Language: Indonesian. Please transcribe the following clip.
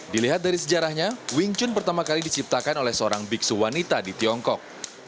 dilihat dari sejarahnya wing chun pertama kali diciptakan oleh seorang biksu wanita di tiongkok